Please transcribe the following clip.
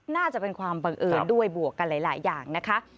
น่าจะเป็นความบังเอิญด้วยบวกกันหลายอย่างนะคะ